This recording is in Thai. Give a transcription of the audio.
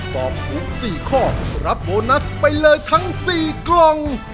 ตอบถูก๔ข้อรับโบนัสไปเลยทั้ง๔กล่อง